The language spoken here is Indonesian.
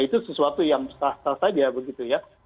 itu sesuatu yang sah sah saja begitu ya